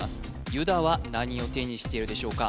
ユダは何を手にしているでしょうか？